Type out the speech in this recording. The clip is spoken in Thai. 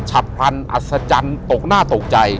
ฉับพลันอัศจรรย์ตกหน้าตกใจ